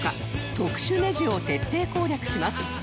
特殊ネジを徹底攻略します